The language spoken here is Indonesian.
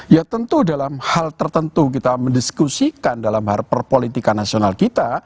ya tentu dalam hal tertentu kita mendiskusikan dalam perpolitikan nasional kita